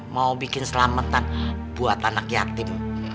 mau bikin selamatan buat anak yatim